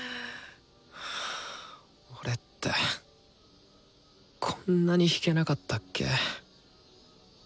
俺ってこんなに弾けなかったっけ？